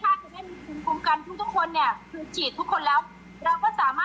วัคซีนโควิดเนี่ยเป็นวัคซีนที่เรามีการฉีดพร้อมกับประเทศเรา